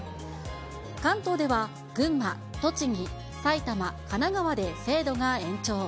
関東では群馬、栃木、埼玉、神奈川で制度が延長。